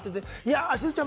しずちゃん